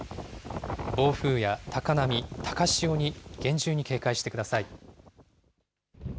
暴風や高波、高潮に厳重に警戒してください。